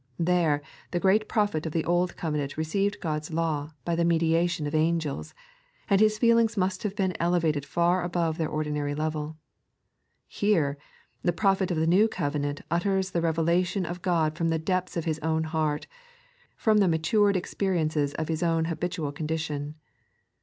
There, the great prophet of the Old Covenant received Ood's Law by the mediation of angels, and his feelings must have been elevated far above their ordinary level ; here, the Prophet of the New Covenant utters the revelation of God from the depths of His own heart, from the matured experiences of His own habitual condition.